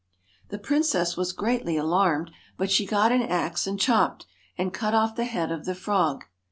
The princess was greatly alarmed, but she got an axe and chopped, and cut off the head of the frog.